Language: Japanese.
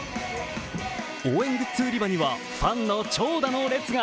応援グッズ売り場にはファンの長蛇の列が。